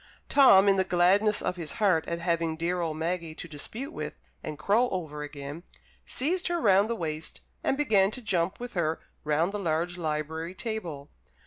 Tom, in the gladness of his heart at having dear old Maggie to dispute with and crow over again, seized her round the waist, and began to jump with her round the large library table.